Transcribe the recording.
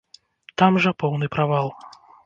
Там жа поўны правал.